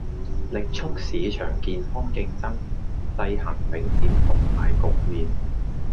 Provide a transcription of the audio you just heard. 力促市場健康競爭，制衡領展獨大局面